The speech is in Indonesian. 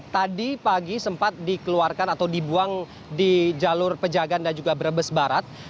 tadi pagi sempat dikeluarkan atau dibuang di jalur pejagan dan juga brebes barat